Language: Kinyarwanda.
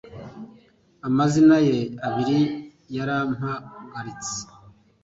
amazina ye abiri yarampagaritse